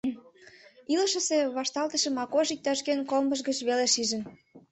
Илышысе вашталтышым Акош иктаж-кӧн колымыж гыч веле шижын.